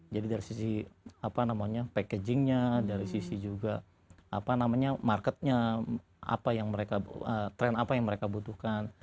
jadi dari sisi packagingnya dari sisi juga marketnya trend apa yang mereka butuhkan